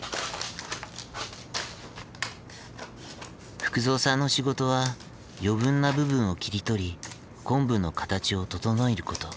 福蔵さんの仕事は余分な部分を切り取りコンブの形を整えること。